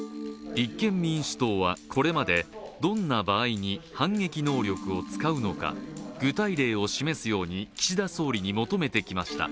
立憲民主党はこれまでどんな場合に反撃能力を使うのか具体例を示すように岸田総理に求めてきました